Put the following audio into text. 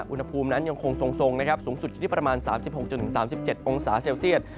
อุณหภูมินั้นยังคงทรงนะครับสูงสุดอยู่ที่ประมาณ๓๖๓๗องศาเซลเซียต